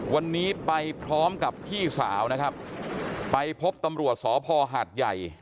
วันนี้ไปพร้อมกับพี่สาวนะครับไปพบตำรวจสพหาดใหญ่